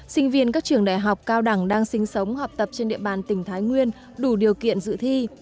sinh viên các trường đại học cao đẳng đang sinh sống học tập trên địa bàn tỉnh thái nguyên đủ điều kiện dự thi